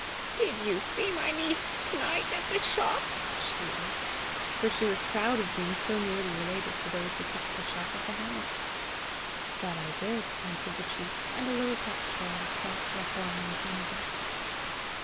"Did you see my niece to night at the shop?" she asked; for she was proud of being so nearly related to those who kept the shop of the hamlet. "That I did," answered the chief; and a little talk followed about Lachlan in Canada.